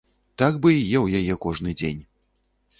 Так бы і еў яе кожны дзень.